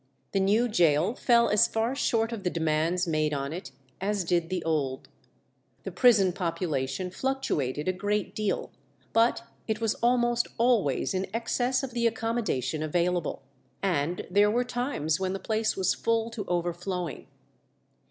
The new gaol fell as far short of the demands made on it as did the old. The prison population fluctuated a great deal, but it was almost always in excess of the accommodation available, and there were times when the place was full to overflowing.